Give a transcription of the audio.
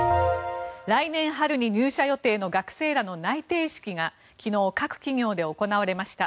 来年春に入社予定の学生らの内定式が昨日、各企業で行われました。